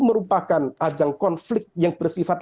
merupakan ajang konflik yang bersifat